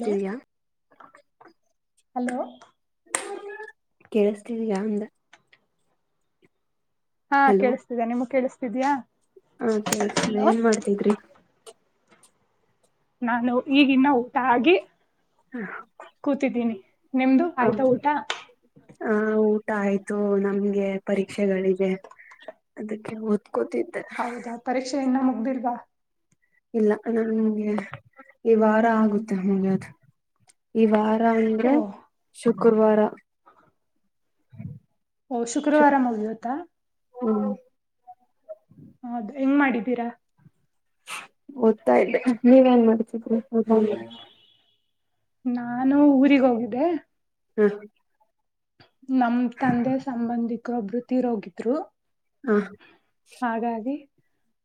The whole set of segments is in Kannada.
ಹಲೋ ಕೇಳಿಸ್ತಿದಯಾ ಹಲೋ [inaudible] ಕೇಳಸ್ತಿದಯ ಅಂದೆ ಹಾ ಕೇಳಿಸ್ತಿದ್ಯಾ ನಿಮ್ ಕೇಳಿಸ್ತಾ ಇದಿಯಾ ಹಾ ಕೇಳಸ್ತದೆ ಏನ್ ಮಾಡ್ತಿದ್ರಿ ನಾನು ಈಗಿನ್ನ ಊಟ ಆಗಿ ಹ ಕೂತಿದ್ದೀನಿ ನಿಮ್ದು ಹ ಆಯ್ತಾ ಊಟ ಊಟ ಆಯ್ತು ನಮ್ಗೆ ಪರೀಕ್ಷೆಗಳಿಗೆ ಅದಕ್ಕೆ ಓದ್ಕೋತಿದ್ದೆ ಹೌದಾ ಪರೀಕ್ಷೆ ಇನ್ನ ಮುಗ್ದಿಲ್ವಾ ಇಲ್ಲ ನನ್ಗೆ ಈ ವಾರ ಆಗುತ್ತೆ ಮುಗಿಯೋದು ಈ ವಾರ ರಾಂಧ್ರ ಓಹ್ [unintelligible] ಶುಕ್ರವಾರ ಹೋ ಶುಕ್ ಶುಕ್ರವಾರ ಮುಗಿಯುತ್ತಾ ಹ್ಮ್ ಹೌದು ಹೆಂಗ್ ಮಾಡಿದ್ದೀರಾ ಹೋಗ್ತಾ ಇದ್ದೆ ನೀವೇನ್ ಮಾಡ್ತಿದ್ರಿ ನಾನು ಊರಿಗೆ ಹೋಗಿದ್ದೆ ಹ್ಮ ನಮ್ ತಂದೆ ಸಂಬಂಧಿಕರು ಒಬ್ಬರು ತೀರೋಗಿದ್ರು ಹಾಗಾಗಿ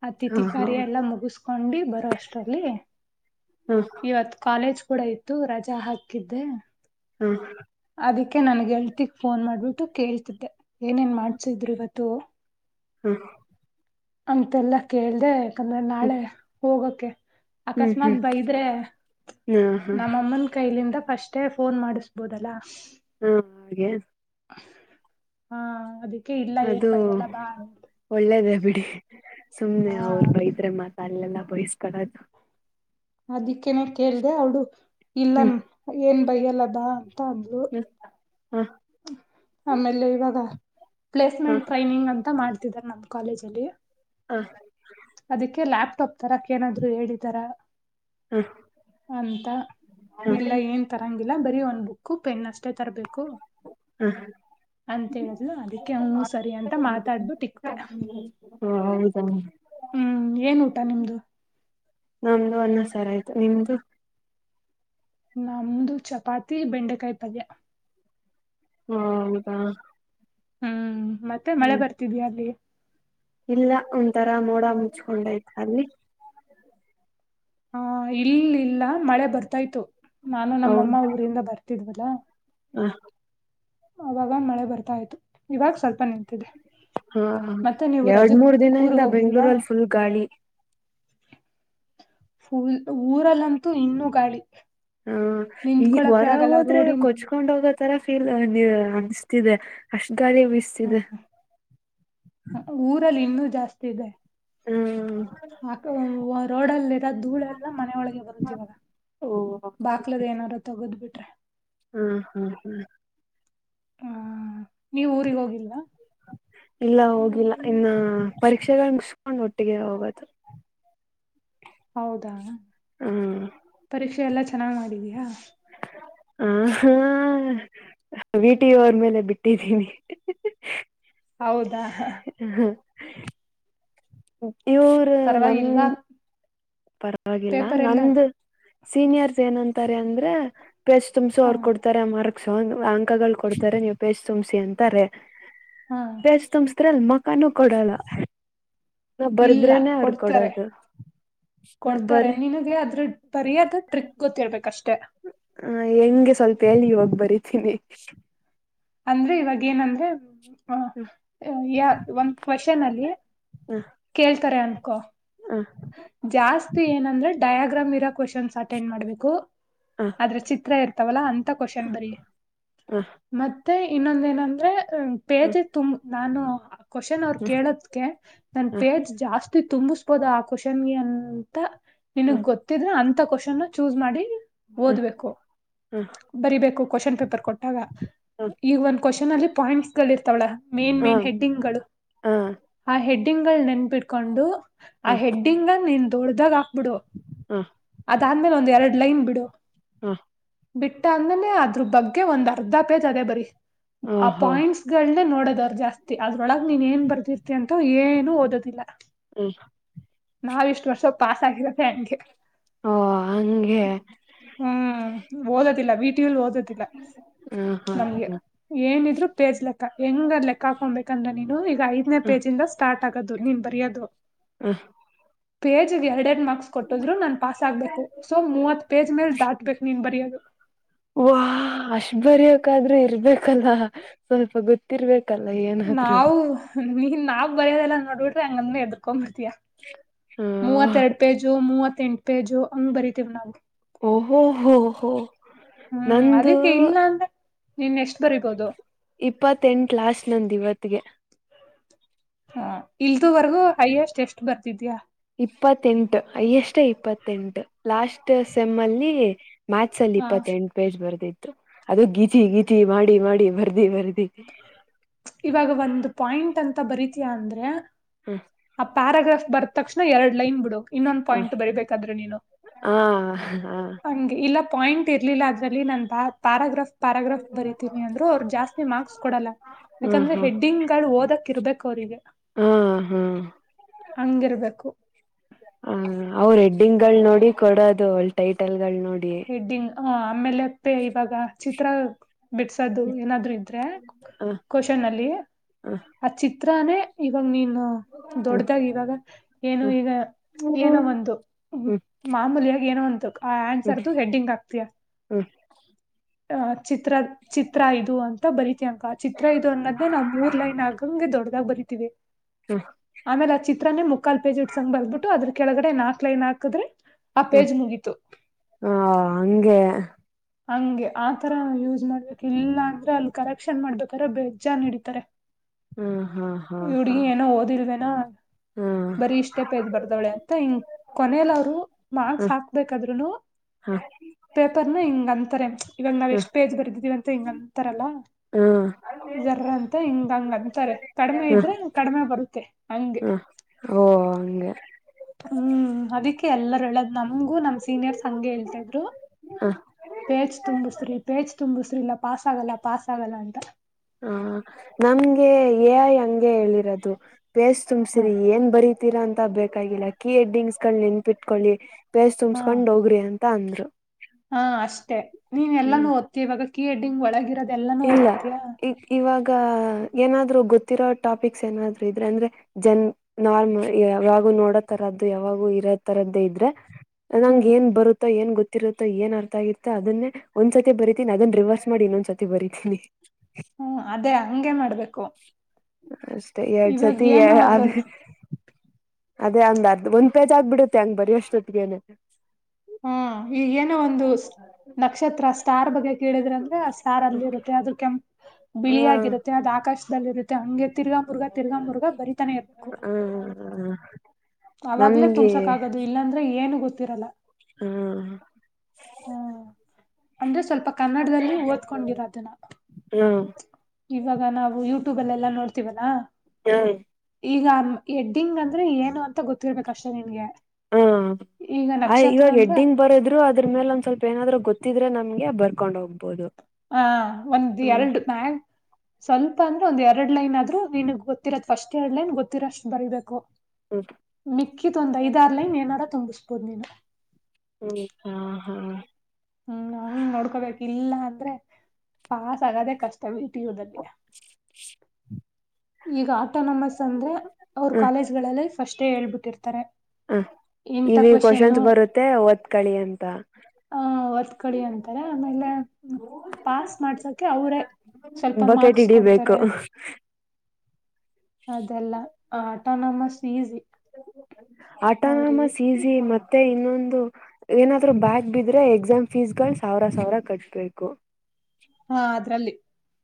ಆ ಹ ಹ ತಿಥಿಕಾರಿ ಎಲ್ಲ ಮುಗಸ್ಕೊಂಡು ಬರೋ ಅಷ್ಟರಲ್ಲಿ ಹ ಹ ಇವತ್ ಕಾಲೇಜ್ ಕೂಡ ಇತ್ತು ರಜಾ ಹಾಕಿದ್ದೆ ಹ ಅದಕ್ಕೆ ನನ್ಗೆ ಹಳ್ತಿಗ್ ಫೋನ್ ಮಾಡ್ಬಿಟ್ಟು ಕೇಳ್ತಿದ್ದೆ ಏನೇನ್ ಮಾಡ್ಸಿದ್ರು ಇವತ್ತು ಹಾ ಅಂತೆಲ್ಲ ಕೇಳ್ದ ಯಾಕಂದ್ರೆ ನಾಳೆ ಹೋಗಕ್ಕೆೆ ಹ್ಮ್ ಹ್ಮ್ ಅಕಸ್ಮಾತ್ ಹ್ಮ್ ಬೈದ್ರೆ ಹಾ ಹಾ ನಮ್ಮಮ್ಮನ ಕೈಲಿಂದ ಅಷ್ಟೇ ಫೋನ್ ಮಾಡಿಸ್ಬೋದಲ್ಲ ಹಾ ಹಾಗೆ ಹಾ ಅದಕ್ಕೆ ಇಲ್ಲ ಏನ್ ಬೈ ಎಲ್ಲ ಅದು ಬಾ ಒಳ್ಳೇದೇ ಬಿಡಿ ಸುಮ್ನೆ ಹಾ ಅವ್ರು ಬೈದ್ರೆ ಮಾತಾಡ್ಲೆಲ್ಲ ಬಯಸ್ಕಳದು ಅದಿಕ್ಕೇನೆ ಕೇಳ್ದ ಅವ್ಡು ಹ್ಮ್ ಇಲ್ಲನ್ ಏನ್ ಬೈಯ್ಯಲ್ಲ ಬಾ ಅಂತ ಅಂದ್ಲು ಹ ಹ ಆಮೇಲೆ ಇವಾಗ ಹ ಪ್ಲೇಸ್ಮೆಂಟ್ ಟ್ರೈನಿಂಗ್ ಅಂತ ಮಾಡ್ತಿದಿದ್ದಾರೆ ನಮ ಕಾಲೇಜ ಅಲ್ಲಿ ಹ ಅದಕ್ಕೆ ಲ್ಯಾಪ್ಟಾಪ್ ತರಕ್ ಏನಾದ್ರು ಹೇಳಿದಾರ ಹ ಅಂತ ಇಲ್ಲ ಹ ಏನ್ ತರಂಗಿಲ್ಲ ಬರಿವನ್ಬ ಬುಕ್ಕು ಪೆನ್ನು ಅಷ್ಟೇ ತರಬೇಕು ಹ ಅಂತ ಹೇಳಿದ್ರು ಅದಕ್ಕೆ ಹ್ಞೂ ಸರಿ ಅಂತ ಮಾತಾಡ್ಬು ಟಿಕ್ತೆ ಹಾ ಹೌದ ಹ್ಮ್ ಏನ್ ಊಟ ನಿಮ್ದು ನಮ್ದು ಅನ್ನ ಸಾರು ಆಯ್ತು ನಿಮ್ದು ನಮ್ದು ಚಪಾತಿ ಬೆಂಡೆಕಾಯಿ ಪಲ್ಯ ಹ ಹೌದಾ ಹ್ಮ್ ಮತ್ತೆ ಮಳೆ ಹ್ಮ್ ಬರ್ತಿದಯಾ ಅಲ್ಲಿ ಇಲ್ಲ ಒಂಥರ ಮೋಡ ಮುಚ್ಕೊಂಡಯ್ತ ಅಲ್ಲಿ ಹ ಇಲ್ಲಲ್ಲ ಮಳೆ ಬರ್ತಾಯ್ತು ನಾನು ನಮ್ಮಮ್ಮ ಊರಿಂದ ಬರ್ತಿದ್ವಲ್ಲ ಹಾ ಅವಾಗ ಮಳೆ ಬರ್ತಾಯ್ತು ಇವಾಗ ಸ್ವಲ್ಪ ನಿಂತು ಹ ಮತ್ತೆ ನೀವು ಎರಡ್ ರಜೆ ಮೂರ್ ಊರ್ ದಿನದಿಂದ ಹೋಗಿಲ್ವಾ ಬೆಂಗ್ಳೂರಲ್ಲಿ ಫುಲ್ ಗಾಳಿ ಫುಲ್ ಊರಲ್ಲಂತೂ ಇನ್ನುೂ ಗಾಳಿ ಹ ಈ ನಿಂತ್ಕೊಳಕೆ ಆಗಲ್ಲ ಹೊರಗೋದ್ರೆ ರೋಡಿನ್ ಕೊಚ್ಕೊಂಡ್ ಹೋಗದ ತರ ಫೀಲ್ ನೀ ಅನ್ಸ್ತಿದೆ ಅಷ್ಟ ಕರೆ ಬಿಸತಿದೆ ಊರಲ್ಲಿ ಇನ್ನೂ ಜಾಸ್ತಿ ಇದೆ ಆಕ ರೋಡಲ್ಲಿರೋ ಧೂಳೆಲ್ಲ ಮನೆಯೊಳಗೆ ಬರುತ್ತ ಇವಾಗ ಓ ಬಾಕ್ಲದ ಏನಾರು ತೊಗೋದ್ ಬಿಟ್ಟು ಹ್ಮ ಹ್ಮ್ ಹ್ಮ್ ಹಾ ನೀವ್ ಊರಿಗೆ ಹೋಗಿಲ್ಲ ಇಲ್ಲ ಹೋಗಿಲ್ಲ ಇನ್ನ ಪರೀಕ್ಷೆಗಳು ಮುಸಕೊಂಡ್ ಒಟ್ಟಿಗೆ ಹೋಗೋದು ಹೌದಾ ಹ್ಮ ಎಲ್ಲ ಚೆನ್ನಾಗಿಮಾಡಿದೀಯಾ ಆ ಹ ವೀಟಿಯ ಅವರ್ ಮೇಲೆ ಬಿಟ್ಟಿದ್ದೀನಿ [unintelligible] ಹೌದಾ ಇವ್ರ ನಮ್ ಪರ್ವಾಗಿಲ್ವಾ ಪರವಾಗಿಲ್ಲ ಎಲ್ಲಾ? ನಮ್ದು ಸೀನಿಯರ್ಸ್ ಏನಂತಾರೆ ಅಂದ್ರೆ ಪ್ರಸ್ತುಮ್ಸ ಹಾ ಅವ್ರು ಕೊಡ್ತಾರೆ ಮರ ಅಂಕಗಳು ಕೊಡ್ತಾರೆ ನೀವು ಪಜ್ ತುಮ್ಸಿ ಅಂತಾರೆ ಹಾ ಪೇಜ ತುಮ್ ಅದ್ರಲ್ ಮಕಾನೂ ಕೊಡಲ್ಲ ನಾವ್ ಇಲ್ಲ ಬರ್ದ್ರೇನೆ ಅವ್ರ ಕೊಡ್ತಾರೆ ಕೊಡೋದು ನಾವ್ ಕೊಡ್ತಾರೆ ಬರ್ರಿ ನಿನಗೆ ಅದ್ರ ಬರಿಯಾದ ಟ್ರಿಕ್ ಗೊತ್ತಿರ್ಬೇಕಷ್ಟೇ ಹ ಹೆಂಗೆ ಸ್ವಲ್ಪ ಎಲ್ಲಿ ಹೋಗ್ ಬರತೀನಿ ಅಂದ್ರೆ ಇವಾಗ ಏನಂದ್ರೆ ಹ ಯ ಒಂದ್ ಕ್ವಶನ್ ಅಲ್ಲಿ ಹ ಕೇಳ್ತಾರೆ ಅನ್ಕೊ ಹ ಜಾಸ್ತಿ ಏನಂದ್ರೆ ಡಯಾಗ್ರಾಮ್ ಇರೋ ಕ್ವನ್ಸ್ ಅಟೆಂಡ್ ಮಾಡ್ಬೇಕು ಹ ಹ ಆದ್ರೆ ಚಿತ್ರ ಇರ್ತಾವಲ್ಲಾ ಅಂತ ಕ್ವಶನ್ ಬರ ಹ ಮ ಮತ್ತೆ ಇನ್ನೊಂದ ಏನಂದ್ರೆ ಹ ಪೇಜೆ ತುಂಬ ನಾನು ಕ್ವಶನ್ ಅವರು ಹ ಕೇಳೋದಕ ನನ್ ಹ ಪೇಜ್ ಜಾಸ್ತಿ ತುಂಬಿಸಬೋದ ಆ ಕ್ವಶನ್ಗೆ ಅಂತ ಹ ನಿನಗ್ ಗೊತ್ತಿದ್ರೆ ಅಂತ ಕ್ವಶನ್ ಚೂಸ್ ಮಾಡಿ ಹ ಓದ್ಬೇಕು ಹ ಬರಿಬೇಕು ಕ್ವಶನ್ ಪೇಪರ್ ಕೊಟ್ಟಾಗ ಹ ಈಗ ಒಂದ್ ಕ್ವಶನ್ ಅಲ್ಲಿ ಪಾಯಿಂಟ್ಸ್ ಗಳು ಇರ್ತಾವಳ ಮೇನ್ ಹ ಮೇನ್ ಹೆಡ್ಡಿಂಗ್ ಗಳು ಹ ಆ ಹೆಡ್ಡಿ ಹೆಡ್ಡಿಂಗ್ಗಳ ನೆನ್ಪಿಟ್ಕೊಂಡು ಆ ಹ ಹೆಡ್ಡಿಂಗ ಅ ನೀನ್ ದೊಡ್ದಾಗ ಬಿಡುುವ ಅದಾದ್ಮೇಲೆ ಒಂದ್ ಎರಡ್ ಲೈನ್ ಬಿಡುುವ ಹಾ ಬಿಟ್ಟ ಅಂದನೆ ಅದ್ರ ಬಗ್ಗೆ ಒಂದ್ ಅರ್ಧ ಪೇಜ್ ಅದೇ ಬರಿ ಆ ಓಹೋ ಪಾಯಿಂಟ್ಸ್ ಗಳನೆ ನೋಡೋದ ಜಾಸ್ತಿ ಅದ್ರೊಳಗೆ ನೀನ್ ಏನ್ ಬರ್ದಿರ್ತಿ ಅಂತ ಏನು ಓದೋದಿಲ್ಲ ಹ್ಮ ನಾವ್ ಇಷ್ಟು ವರ್ಷ ಪಾಸ್ ಆಗಿದೆ ನಂಗೆ ಓ ಹಗೆ ಹ್ಮ್ ಓದದಿಲ್ಲ ವೀಟಲ್ಲಿ ಓದೋದಿಲ್ಲ ಹ ಹಾ ನಮ್ಗೆ ಹ ಏನಿದ್ರು ಪೇಜ್ ಲೆಕ್ಕ ಹೆಂಗದ್ ಲೆಕ್ಕ ಹಕೊಂಬಬೇಕಂದ್ರೆ ನೀನು ಐದನೇ ಪೇಜ್ ಇಂದ ಸ್ಟಾರ್ಟ್ ಆಗದು ನೀನ್ ಬರೆಯೋದು ಹ ಪೇಜ್ಗೆ ಎರಡ್ ಎರಡು ಮಾರ್ಕ್ ರ್ಕ್ಸ್ ಕೊಟ್ಟದ್ರು ನನ್ ಪಾಸ್ ಆಗ್ಬೇಕು ಸೊ ಮೂವತ್ ಪೇಜ್ ಮೇಲೆ ದಾಟ್ಬೇಕು ನೀನ್ ಬರಿಯೋದು ವಾ -ಅಷ್ಟ್ ಬರ್ಯಕಾದ್ರೆ ಇರ್ಬೇಕಲ್ಲ ಸ್ವಲ್ಪ ಗೊತ್ತಿರ್ಬೇಕ. ನಾವು ನೀನ್ ನಾವ್ ಬರಯೋದೆಲ್ಲಾ ನೋಡ್ಬಿಟ್ರೆ ಹಂಗ ಎದ್ಕೊ. ಹ ಮೂವತ್ತ ಎರಡ್ ಪೇಜು ಮೂವತ್ ಎಂಟು ಪೇಜು ಹಂಗ್ ಬರಿತೀವ್ ನಾವು. ಓ- ಹೋ -ಹೋ ಹ್ಮ್ ನಂದು -ಅದಕ್ಕೆ ಇಲ್ಲ ಅಂದ್ರೆ ನಿನ್ ಎಷ್ಟ್ ಬರಿಬಹದು. ಇಪ್ಪತ್ತೆಂಟು ಲ್ಲಾಸ್ಟ್ ನಂದು ಇವತ್ತಗೆ. ಹ -ಇಲ್ದುುವರ್ಗೂ ಹಯ್ಯಸ್ಟ್ ಎಷ್ಟ್ ಬರ್ತಿದ್ಯಾ. ಇಪ್ಪತ್ತೆಂಟು ಸಮ್ ಅಲ್ಲಿ ಮ್ಯಾಥಸ್ ಅಲ್ಲಿ ಹ ಇಪ್ಪತ್ತೆಂಟು ಪೇಜ್ ಬರೆದತ್ತು. ಅದ ಗೀತಿ ಗೀತಿ ಮಾಡಿ ಮಾಡಿ ಬರ್ದಿ ಬರ್ದಿ. ಇವಾಗ ಒಂದು ಪಾಯಿಂಟ್ ಅಂತ ಬರಿತಯ ಅಂದ್ರೆ ಹ ಆ ಪ್ಯಾರಾಗ್ರಾಫ್. ಬರ್ ತಕ್ಷಣ ಎರಡು ಲೈನ್ ಬಿಟ್ಟ. ಆ, ಬ ಹ ಹ ಹ [inaudible] ಪಾಯಿಂಟ್ ಇರ್ಲಿಲ್ಲ ಅದ್ರಲ್ಲಿ ನನ್ ಬ ಪಾರಾಗ್ರಸ್ತ. ಪ್ಯಾರಾಗ್ರಾಫ್ ಬರೀತಿನಿ ಅಂದ್ರು ಅವ್ರು ಜಾಸ್ತಿ ಮಾರ್ಕ್ಸ್ ಕೊಡಲ್ಲ ಹ್ಮ ಯಾಕಂದ್ರೆ ಹ್ಮ ಹೆಡ್ಡಿಂಗ ದ [inaudible] ಇರ್ಬೇಕು ಅವ್ರಿಗೆ. ಹಾ- ಹಾ- ಹಂಗಿರ್ಬೇಕು ಹ- ಅವ್ರ ಡಿಂಗ್ ಗಳಗಳು ನೋಡಿ ಕೊಡೋದು ಒಲ್ ಟೈಟಲ್ ಗಳು ನೋಡಿ. ಹಾ- ಆಮೇಲೆ ಅಪ್ಪೆ ಇವಾಗ ಚಿತ್ರ ಬಿಡ್ಸೋದು ಏನಾದ್ರು ಇದ್ರೆ ಹ ಕವಷನ್ ಅಲ್ಲಿ ಹ ಅಚ್ಚಿ ಹತ್ರಾನೇ ಇವಾಗ ನೀನು ಹ್ಮ ದೊಡ್ಡದಾಗ ಇವಾಗ ಏನು ಈಗ ಹ್ಮ ಏನೋ ಹ್ಮ್ ಒಂದು ಹ್ಮ್ ಮಾಮೂಲಿಿಯಾಗಿ ಏನೋ ಒಂದು ಆ ಆನ್ಸರ್ದುು ಹೆಡ್ಡಿಂಗ್ ಆಗ್ತಯಾ. ಹ ಅ ಚಿತ್ರ ಚಿತ್ರ ಇದು ಅಂತ ಬರಿತಿ ಅಂಕ ಚಿತ್ರ ಇದು ಅನ್ನೋದ್ದೇ ನಾ್ ಮೂರ್ ಲೈನ್ ಆಗಂಗ ದೊಡ್ಡದಾಗ ಬರೀತಿವಿ ಆಮೇಲೆ ಆ ಚಿತ್ರನೇ ಮುಕ್ಕಾಲ್ ಪೇಜ್ ಇಟ್ಸಂಗ್ ಬರ್ಬಿಟ್ಟು ಅದ್ರ ಕೆಳಗಡೆ ನಾಕ್ ಲೈನ್ ಹಾಕದ್ರೆ ಹ್ಮ್- ಹಾ- ಹಗೆ ಹಂಗೆ ಆತರ ಯೂಸ್ ಮಾಡ್ಬೇಕ ಇಲ್ಲ ಅಂದ್ರೆ ಅಲ್ಲಿ ಕರೆಕ್ಷನ್ ಮಾಡ್ಬೇಕಾದ್ರೆ ಬೇಜ್ಜಾ ನಡಿತಾರೆ ಹ್ಮ- ಹ ಹಡ್ಗಿ ಏನೋ ಓದಿಲ್ವೇನಾ. ಹ್ಮ್ ಬರಿ ಇಷ್ಟೇ ಪೇಜ್ ಬರ್ದವಳೆ ಅಂತ ಹಿಂಗ್ ಕೊನೆಯಲ್ಲಿ ಅವ್ರು ಮಾರ್ಕ್ಸ್ ಹಾಕ್ಬೇಕಾದ್ರುನು. ಹಾ ಪೇಪರ್ನ ಹಿಂಗ ಅಂತಾರೆ ಇವಾಗ ನಾವ್ ಹ್ಮ್ ಎಷ್ಟ್ ಪೇಜ್ ಬರದಿದ್ದೀವಿ ಅಂತ ಹಿಂಗ ಅಂತಾರಲ್ಲ. ಹ್ಮ್ ಜರಂತ ಹಿಂಗ ಹಂಗ ಅಂತಾರೆ ಕಡಿಮೆ ಹ್ಮ ಹ್ಮ ಇದ್ರೆ ಕಡಿಮೆ ಬರುತ್ತೆ ಹಂಗಗೆ. ಓ ಹಂಗೆ ಹ್ಮ್ -ಅದಿಕ್ಕೆ ಎಲ್ಲಾರ ಹೇಳದ್ ನಮ್ಗೂ ನಮ್ ಸೀನಿಯರ್ಸ್ ಹಗೆ ಹೇಳ್ತಾ ಇದ್ರು. ಹಾ ಪೇಜ್ ತುಂಬಿಸ್ರಿ ಪೇಜ್ ತುಂಬಿಸ್ರಿ ಇಲ್ಲಾ ಪಾಸ್ ಆಗಲ್ಲ ಪಾಸ್ ಆಗಲ್ಲ ಅಂತ ಹ -ನಮಗೆ ಹಂಗೆ ಹೇಳಿರೋದು ಪೇಜ್ ಹ ತುಂಬಸಿರಿ ಏನ್ ಬರೀ ರಾಂತ ಬೇಕಾಗಿಲ್ಲ ಕೀ ಎಡ್ಡಿಂಗ್ಸ್ಗಳು್ ನೆನ್ಪಿಟ್ಕೊಳ್ಳಿ ಪೇಸ್ ಹಾ ತುಂಬ್ಸ್ಕೊಂಡ್ ಹೋಗ್ರಿ ಅಂತ. ತಾಂದ್ರ ಹಾ -ಅಷ್ಟೇ ನೀನ್ ಎಲ್ಲಾನು ಓದ್ತೀ ಇವಾಗ ಕೀ ಎಡ್ಡಿಂಗ್ ಒಳಗಿರೋದೆ ಎಲ್ಲಾನು ಇಲ್ಲ ಓದ್ತಿಯಾ. ಈ ಇವಾಗ ಏನಾದ್ರು ಗೊತ್ತಿರೋ ಟಾಪಿಕ್ಸ್ ಏನಾದ್ರು ಇದ್ರೆ ಅಂದ್ರೆ ಜನ್ ನಾರ್ಮಲ್, ನೋಡೋ ತರದ್ದು ಯಾವಾಗೂ ಇರ ತರದ್ದೇ ಇ [inaudible] ದ್ರೆಂಗ ಹ್ಮ್ ನ್ ಬರುತ್ತ. ಏ -ಗೊತ್ತರುತ್ತೆ ಏನ್ ಅರ್ಥ ಆಗಿತ್ತ ಅದನ್ನ ಒಂದ್ ಸತಿರಿತೀ ಅದನ್ನ ರಿವರ್ಸ್ ಮಾಡಿ ಇನ್ನೊಂದ್ ಸತಿ. ಬರಿತನಿ [unintelligible] ಹ್ಮ- ಅದೇ ಹಂಗಗೆ ಮಾಡ್ಬೇಕು. ಅಷ್ಟೇ ಎಡ್ ಇವಾಗ ಜತಿ ಏನೋ -ಎ- ಆ ಒಂದು ಅದೇ ಅಂದ ಅರ್ಧ ಒಂದ್ ಪೇಜ್ ಆಗ್ಬಿಡುತ್ತೆ ಹಂಗ ಬರ ಅಷ್ಟೊತ್ತಿಗೆ ಏನೇ. ಹ್ಮ -ಈ- ಏನೋ ಒಂದು ನಕ್ಷತ್ರ ಸ್ಟಾರ್ ಬಗ್ಗೆ. ಕೇಳಿದ್ರ ಅಂದ್ರೆ ಆ ಸ್ಟಾರ್ ಅಲ್ಲಿ ಇರುತ್ತೆ ಅದ್ರ ಕೆಂ ಬಿಳಿಯ ಹ ಆಗಿರುತ್ತೆ ಅದು ಆಕಾಶದಲ್ಲಿ ಇರುತ್ತೆ ಹಂಗೆ. ತಿರ್ಗಾಾಮುರ್ಗಾ ತಿರ್ಗಾಾಮರ್ಗಾ ಬರಿತಾನೆ ಇರ್ಬೇಕು. ಹ ಅವಾಗ್ಲೇ ನಮ್ಗೆ ತುಂಬ್ಸಕ್ ಆಗದು ಇಲ್ಲಾಂದ್ರೆ ಏನು ಗೊತ್ತಿರಲ್ಲ. ಹ್ಮ್ಮ್. ಹ್ಮ ಅಂದ್ರೆ ಸ್ವಲ್ಪ ಕನ್ನಡದಲ್ಲಿ ಓದ್ಕೊಂಡಿರೋದ ನಾ. ಹ್ಮ್. ಇವಾಗ ನಾವು ಯೂಟ್ಯೂಬಲ್ಲೆಲ್ಲಾ ನೋಡ್ತಿವಲ್ಲಾ. ಹ್ಮ. ಈಗ ಹೆಡ್ಡಿಂಗ್ ಅಂದ್ರೆ ಏನು ಅಂತ ಗೊತ್ತಿರ್ಬೇಕ ಅಷ್ಟೇ ನಿನ್ಗೆ. ಹಾ ಈಗ ಆಯ್ ನಕ್ಷತ್ರ ಇವಾಗ ಅಂದ್ರೆ ಹೆಡ್ಡಿಂಗ್ ಬರದ್ರು ಅದರ್ ಮೇಲೊಂದ್ ಸ್ವಲ್ಪ ಏನಾದ್ರೂ ಗೊತ್ತ. ತ್ತಿದ್ರೆ ನಮ್ಗೆ ಬರ್ಕೊಂಡ್ ಹೋಗ್ಬೊದು. ಹ ಒಂದ ಎರಡ್ ನಾ ಸ್ವಲ್ಪ. ಪ್ಪ ಅಂದ್ರೆ ಒಂದ ಎರಡ್ ಲೈನ್ ಆದ್ರೂ ನಿನಗ್ ಗೊತ್ತಿರದ ಫಸ್ಟ್ ಎರಡ್ ಲೈನ್ ಗೊತ್ತಿರೋಸ್ಟ ಬರೀಬೇಕು. ಹ್ಮ್ ಮಿಕ್ಕಿದ ಒಂದ ಐದಾರಲೈನ್ ಏನಾರ ತುಂಬಿಸ್ಬೋದ ನೀನು. ಹ್ಮ ಹಾ ಹ. ಹ್ಮ್ ನಾ ನೋಡ್ಕೋಬೇಕ್ ಇಲ್ಲ ಅಂದ್ರೆ ಪಾಸ್ ಆಗಾದೇ ಕಷ್ಟಬಿಡಿ. [unintelligible] ಈಗಾ. ಆಟೋನಮಸ್ ಅಂದ್ರೆ ಅವರು ಹ ಕಾಲೇಜ್ಗಳಲ್ಲಿ ಫಷ್ಟೇ ಹೇಳ್ಬಿಟ್ಟಿರ್ತಾರೆ. ಹ ಇಂಥ ಇವ ಇವ ಕ್ವಶನ್ಸ್ ಕ್ವಶನ್ನು ಬರುತ್ತೆ ಓದ್ಕಳಿ ಅಂತ. ಓದ್ಕೊಳಿ ಅಂತಾರೆ ಆಮೇಲೆ ಪಾಸ್ ಮಾಡ್ಸೋಕೆ ಅವರೇ. ಸ್ವಲ್ಪ ಬಕೆಟ್ ಮಾರ್ಕ್ಸ್ ಕೊಡ್ತಾರೆ. ಹಿಡಿಬೇಕು ಅದೆಲ್ಲ ಆಟೋನಾಂಮಸ್ ಈಸಿ. ಅವ್ರಿಗೆ ಅಟೋನಮಸ್ಈಜಿ ಮತ್ತ್ ಮತ್ತೆ ಇನ್ನೊಂದು ಏನಾದ್ರು ಬ್ಯಾಗ್ ಬಿದ್ರೆ ಎಕ್ಸಾಮ್ ಫೀಸಗಳ್ ಸಾವಿರ ಸಾವಿರ ಕಟ್ಬೇಕು. ಹಾ ಅದ್ರಲ್ಲಿ.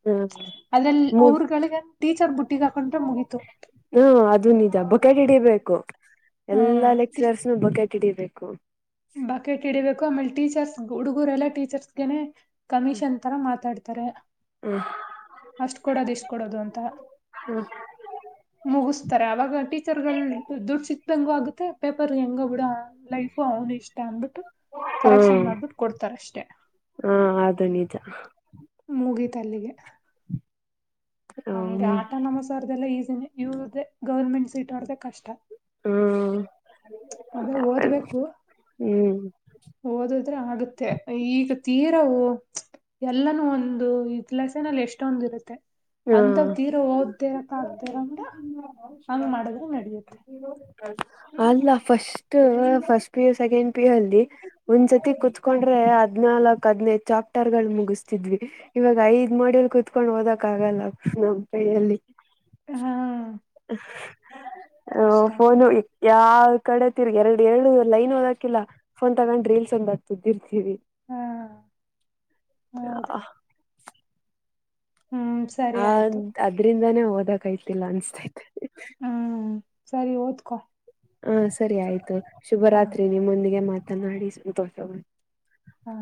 ಹ್ಮ್ ಆದ್ರಲ್ ಮೂರ್ ಅವ್ರಗಳಿಗೆ ಟೀಚರ್ ಬುಟ್ಟಿಗ್ ಹಾಕೊಂಡ್ರೆ ಮುಗೀತು. ಬಕೇಟ್ ಹಿಡಿಬೇಕು ಎಲ್ಲಾ ಹ್ಮ್ ಲೆಕ್ಚರ್ಸು ಬಕಾಟ್ ಹಿಡಿಬೇಕು. ಬಕೆಟ್ ಇಡಿಬೇಕು ಆಮೇಲೆ ಟೀಚರ್ಸ್ ಹುಡುಗರೆಲ್ಲಾ ಟೀಚರ್ಸ್ಗೆನೆ ಕಮಿಷನ್ ತರಾ ಮಾತಾಡ್ ಅಷ್ಟ್ ಕೊಡೋದ ಇಷ್ಟ್ ಕೊಡೋದು ಅಂತ. ಹ ಮುಗಸ್ತಾರೆ ಅವಾಗ ಟೀಚರ್ಗಳ ದುಡ್ಡ ಸಿಗ್. ಕ್ದಂಗು ಆಗುತ್ತೆ ಪೇಪರ್ ಹೆಂಗೊ ಬಿಡೊ ಅವನ ಲೈಫು ಅವನ ಇಷ್ಟ ಅಂದ್ಬಿಟ್. ಕರೆಕ್ಷನ್ ಹ್ಮ್ ಮಾಡ್ಬಿಟ್ಟ ಕೊಡ್ತಾರ ಅಷ್ಟೆ. ಹಾ ಅದು ನಿಜ ಮುಗಿತ ಅಲ್ಲಿಗೆ. ನಮದ ಹ್ಮ್ ಆಟೋನಮಸೊರ್ದೇಲ್ಲಾ ಈಸಿನೇ ಇವ್ರ್ದೇ ಗೌರ್ಮೆಂಟ್ ಸಿಟೊರ್ದೆ ಕಷ್ಟಾ. ಹ್ಮ್ ಅದು ಓದ್ಬೇಕು. ಹ್ಮ್ ಓದದ್ರೆ ಆಗುತ್ತೆ ಈಗ. ತೀರವು ಎಲ್ಲಾನೂ ಒಂದು ಲೆಸನಲ್ ಎಷ್ಟೊಂದ ಇರುತ್ತೆ. ಹಾ ಅಂತವ್ ತೀರ ಓದದೇ ಇರಾಕ್ ಆಗ್ದೇ ಇರೊಂತ ಹಂಗ ಮಾಡದ್ರ ನಡಿಯುತ್ತೆ. ಅಲ್ಲ first first P U second P U ಅಲ್ಲಿ. ಒಂದ್ಸತಿ ಕೂತ್ಕೊಂಡ್ರೆ ಆದ್. ಹಾದನಾಲ್ಕ ಹಾಡನೈದ್ ಚಾಪ್ಟರ್ ಗಳ್ ಮುಗಿಸ್ತಿದ್ವಿ ಇವಾಗ ಐದ್ ಮಾಡುಲ್ ಕುೂತ್ಕೊಂಡ ಓದಾಕ್. ಕ್ಕ ಆಗಲ್ಲ [unintelligible] ಯಲಿ. ಹಾ. ಓ ಕಷ್ಟನೇ ಫೋನು. [unintelligible] ಕಡೆ ತಿರುಗಿ ಎರಡ್ ಎರಡು ಲೈನ್ ಓದಕಿಲ್ಲ ಫೋನ್ ತಗೊಂಡ್ ರೀಲ್ಸ್ ಒಂದಾತ್ದಿರ್ತೀವಿ. ಹಾ ಹೌದು [unintelligible] ಹ್ಮ್ ಸರಿ ಆದ್ ಆಯ್ತು ಅದ್ರಿಂದಾನೇ ಓದೋಕಾಗ್ತಿಲ್ಲ ಅನ್ಸ್ತೈತೆ. ಹ್ಮ್ ಸರಿ ಓದ್ಕೊ. ಹಾ ಸರಿ ಆಯ್ತು ಹಾ ಶುಭರಾತ್ರಿ ನಿಮ್ಮೊಂದಿಗೆ ಮಾತನಾಡಿ ಸಂತೋಷ ವೈತು. ಹಾ.